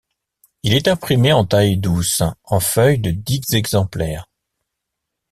Il est imprimé en taille-douce en feuille de dix exemplaires.